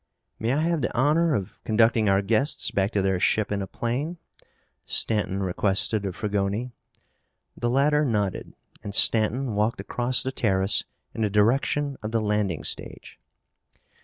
"May I have the honor of conducting our guests back to their ship in a plane?" Stanton requested of Fragoni. The latter nodded and Stanton walked across the terrace in the direction of the landing stage.